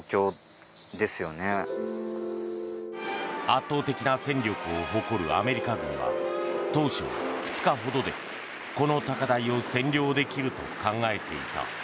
圧倒的な戦力を誇るアメリカ軍は当初、２日ほどでこの高台を占領できると考えていた。